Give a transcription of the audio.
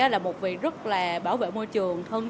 là một việc rất là bảo vệ môi trường